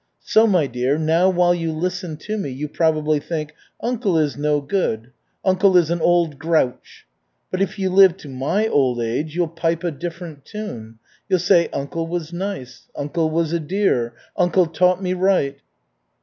So, my dear, now while you listen to me, you probably think, 'Uncle is no good. Uncle is an old grouch.' But if you live to my old age, you'll pipe a different tune. You'll say, 'Uncle was nice. Uncle was a dear. Uncle taught me right.'"